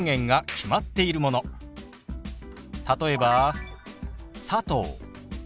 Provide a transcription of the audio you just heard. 例えば「佐藤」。